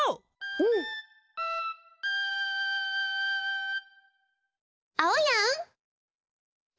うん！あおやん。